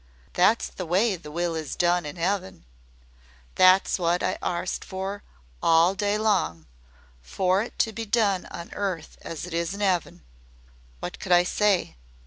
That's the way the will is done in 'eaven. That's wot I arst for all day long for it to be done on earth as it is in 'eaven.' What could I say?